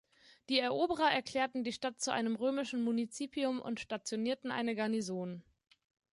Die Eroberer erklärten die Stadt zu einem römischen Munizipium und stationierten eine Garnison.